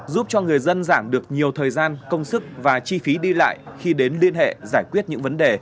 giúp cho người dân giảm được nhiều thời gian công sức và chi phí đi lại khi đến liên hệ giải quyết những vấn đề